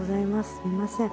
すいません。